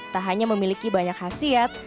tak hanya memiliki banyak khasiat